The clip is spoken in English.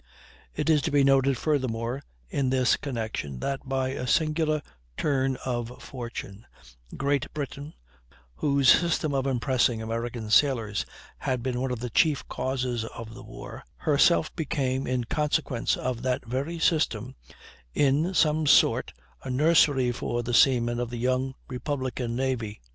It is to be noted, furthermore, in this connection, that by a singular turn of fortune, Great Britain, whose system of impressing American sailors had been one of the chief causes of the war, herself became, in consequence of that very system, in some sort, a nursery for the seamen of the young Republican navy.